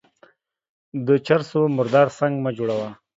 د چر سو مردار سنگ مه جوړوه.